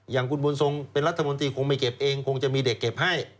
อย่างคุณบุญทรงเป็นรัฐมนตรีคงไม่เก็บเองคงจะมีเด็กเก็บให้